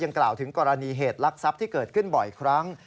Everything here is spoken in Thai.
กล่าวถึงกรณีเหตุลักษัพที่เกิดขึ้นบ่อยครั้ง